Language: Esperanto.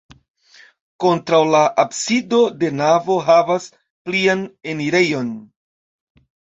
Kontraŭ la absido la navo havas plian enirejon.